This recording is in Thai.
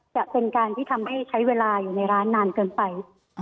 จะเป็นการที่ทำให้ใช้เวลาอยู่ในร้านนานเกินไป